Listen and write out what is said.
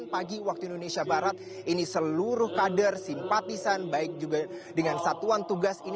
pagi waktu indonesia barat ini seluruh kader simpatisan baik juga dengan satuan tugas ini